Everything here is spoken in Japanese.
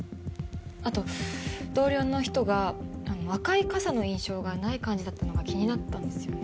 あと同僚の人が赤い傘の印象がない感じだったのが気になったんですよね。